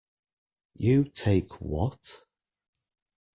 You take what?